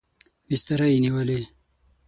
بستره یې نیولې.